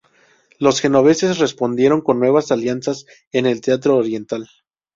Los genoveses respondieron con nuevas alianzas en el teatro oriental.